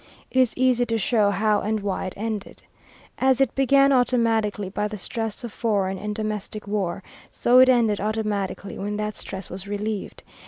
It is easy to show how and why it ended. As it began automatically by the stress of foreign and domestic war, so it ended automatically when that stress was relieved.